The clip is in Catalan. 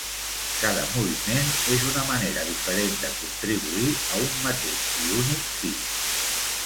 Cada moviment és una manera diferent de contribuir a un mateix i únic fi.